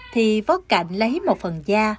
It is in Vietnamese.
thì vót cạnh lấy một phần da